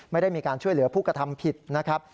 ไม่ได้มีการช่วยเหลือผู้กระทำผิดนะครับ